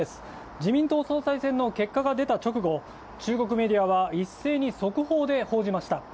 自民党総裁選の結果が出た直後、中国メディアはいっせいに速報で報じました。